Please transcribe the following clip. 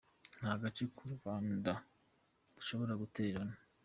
Nta gace k’u Rwanda dushobora gutererana.